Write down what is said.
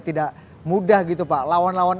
tidak mudah gitu pak lawan lawan